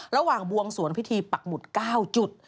ระหว่างบวงสวนพิธีปักหมุด๙จุด